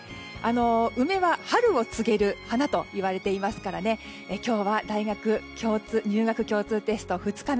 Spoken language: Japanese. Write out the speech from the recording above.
梅は春を告げる花と言われていますから今日は大学入学共通テスト２日目。